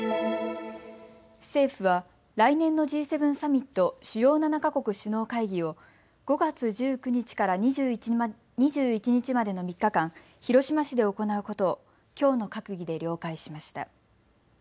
政府は来年のＧ７サミット・主要７か国首脳会議を５月１９日から２１日までの３日間、広島市で行うことをきょうの閣議で了解しました。